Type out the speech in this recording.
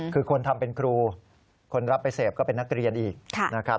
คือคนทำเป็นครูคนรับไปเสพก็เป็นนักเรียนอีกนะครับ